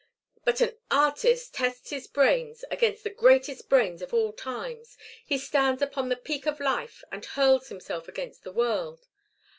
But an artist tests his brains against the greatest brains of all times; he stands upon the peak of life and hurls himself against the world.